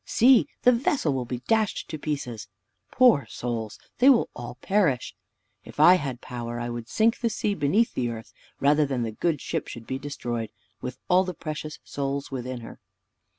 See! the vessel will be dashed to pieces. Poor souls! they will all perish. If I had power, I would sink the sea beneath the earth, rather than the good ship should be destroyed, with all the precious souls within her."